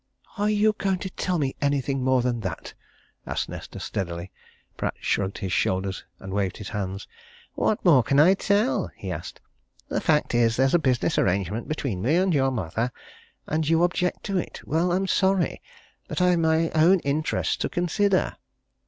"Are you going to tell me anything more than that?" asked Nesta steadily. Pratt shrugged his shoulders and waved his hands. "What more can I tell?" he asked. "The fact is, there's a business arrangement between me and your mother and you object to it. Well I'm sorry, but I've my own interests to consider."